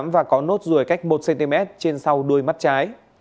và có nốt ruồi cách một cm trên sau đuôi mắt trái